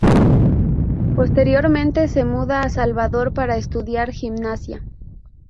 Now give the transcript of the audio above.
Posteriormente se muda a Salvador para estudiar gimnasia.